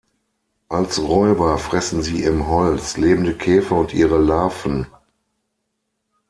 Als Räuber fressen sie im Holz lebende Käfer und ihre Larven.